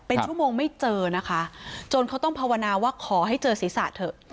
เป็นชั่วโมงไม่เจอนะคะจนเขาต้องภาวนาว่าขอให้เจอศีรษะเถอะ